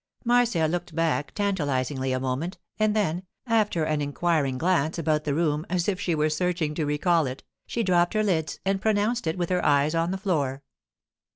Marcia looked back tantalizingly a moment, and then, after an inquiring glance about the room as if she were searching to recall it, she dropped her lids and pronounced it with her eyes on the floor.